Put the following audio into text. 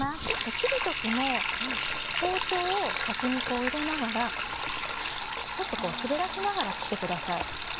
切る時も包丁を先にこう入れながらちょっとこう滑らしながら切ってください。